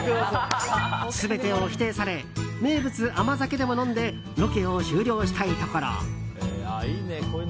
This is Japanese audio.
全てを否定され名物甘酒でも飲んでロケを終了したいところ。